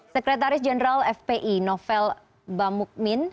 sekretaris jenderal fpi novel bamukmin